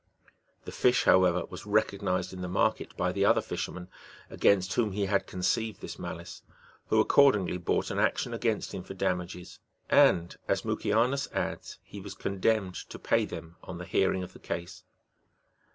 The fish, however, was recognized in the market by the other fisherman, against whom he had conceived this malice ; who accordingly brought an action against him for damages ;*^ and, as Mucianus adds, he was condemned to pay them on the hearing of the case.